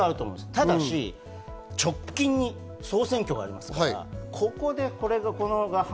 ただし直近に総選がありますから。